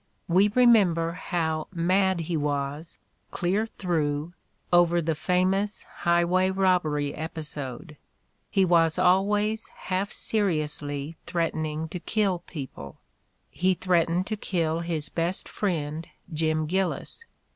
We remember how "mad" he was, "clear through," over the famous highway rob bery episode: he was always half seriously threatening to kill people ; he threatened to kill his best friend, Jim Gillis.